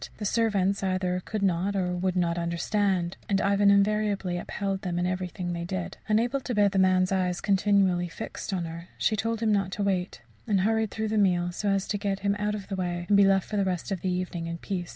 The servants either could not or would not understand, and Ivan invariably upheld them in everything they did. Unable to bear the man's eyes continually fixed on her, she told him not to wait, and hurried through the meal so as to get him out of the way, and be left for the rest of the evening in peace.